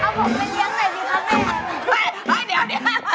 เอาผมไปเลี้ยงหน่อยสิครับนาย